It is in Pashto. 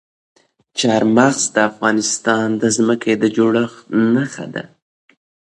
چار مغز د افغانستان د ځمکې د جوړښت نښه ده.